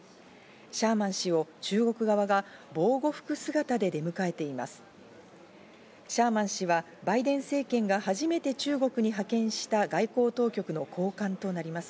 シャーマン氏を中国側が防護服姿で出迎えています。